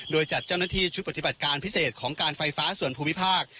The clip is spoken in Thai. โดยจัดเจ้าหน้าที่ชุดปฏิบัติการพิเศษของการไฟฟ้าส่วนภูมิภาค